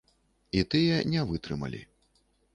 І тыя не вытрымалі.